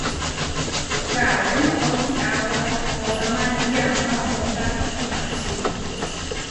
Kawé noʼó kiápua osá marikí ampá ooká ipahčí.